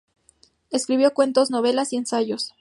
Escribió cuentos, novelas y ensayos.